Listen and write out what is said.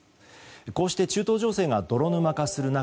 こうして中東情勢が泥沼化する中